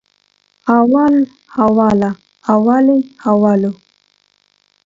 اول، اوله، اولې، اولو